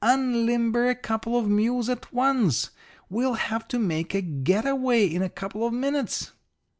Unlimber a couple of mules at once. We'll have to make a get away in a couple of minutes.'